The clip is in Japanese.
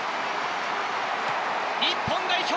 日本代表